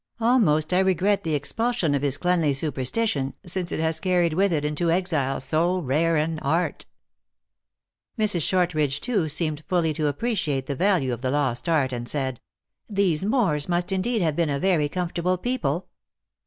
Almost I regret the expulsion of his cleanly superstition, since it has carried with it into exile so rare an art." Mrs. Shortridge, too, seemed fully to appreciate the value of the lost art, and said, " these Moors must in deed have been a very comfortable people."